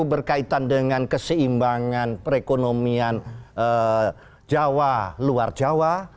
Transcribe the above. berkaitan dengan keseimbangan perekonomian jawa luar jawa